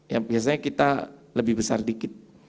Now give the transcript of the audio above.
yang biasanya kita lebih besar dikit